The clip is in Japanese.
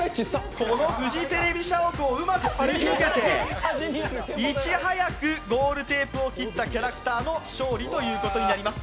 フジテレビ社屋をうまくすり抜けていち早くゴールテープを切ったキャラクターの勝利となります。